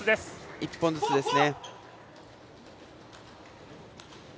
１本ずつですね。